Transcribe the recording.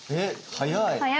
速い。